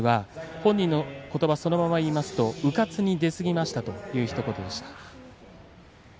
本人のことばそのままで言いますとうかつに出すぎましたという、ひと言でした。